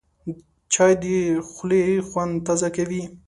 چای د خولې خوند تازه کوي